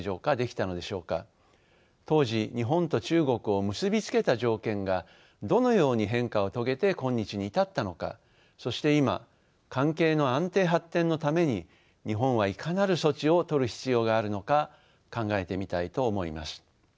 当時日本と中国を結び付けた条件がどのように変化を遂げて今日に至ったのかそして今関係の安定発展のために日本はいかなる措置を取る必要があるのか考えてみたいと思います。